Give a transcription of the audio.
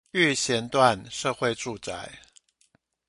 育賢段社會住宅